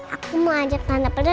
aku mau ajak tante saya ke kamar ya